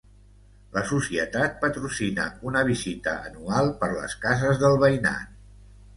La societat patrocina una visita anual per les cases del veïnat.